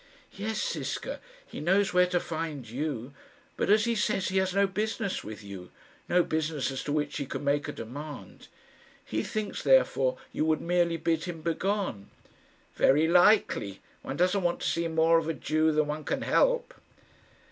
"Yes, Ziska, he knows where to find you; but, as he says, he has no business with you no business as to which he can make a demand. He thinks, therefore, you would merely bid him begone." "Very likely. One doesn't want to see more of a Jew than one can help."